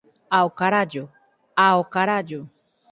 Ao carallo, ao carallo.